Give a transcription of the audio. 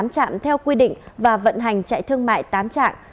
trạm theo quy định và vận hành chạy thương mại tám trạm